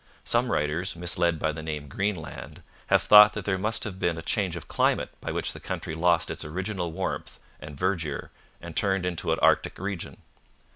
Some writers, misled by the name 'Greenland,' have thought that there must have been a change of climate by which the country lost its original warmth and verdure and turned into an arctic region.